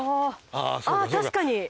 あ確かに。